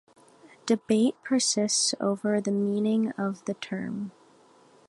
A debate persists over the meaning of the term.